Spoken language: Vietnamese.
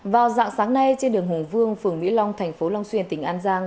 vào dạng sáng nay trên đường hùng vương phường mỹ long thành phố long xuyên tỉnh an giang